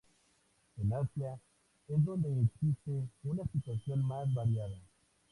En Asia es donde existe una situación más variada.